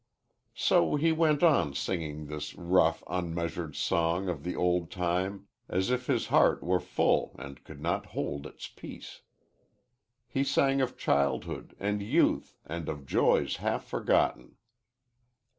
So he went on singing this rough, unmeasured song of the old time as if his heart were full and could not hold its peace. He sang of childhood and youth and of joys half forgotten.